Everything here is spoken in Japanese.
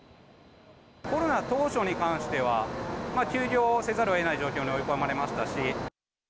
コロナ当初に関しては、休業せざるをえない状況に追い込まれましたし。